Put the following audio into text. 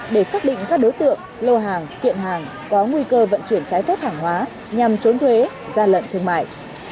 để xác định các đối tượng lô hàng tiện hàng có nguy cơ vận chuyển trái tốt hàng hóa nhằm trốn thuế ra lận thương mại